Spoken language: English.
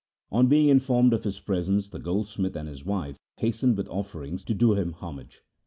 On being informed of his presence the goldsmith and his wife hastened with offerings to do him homage.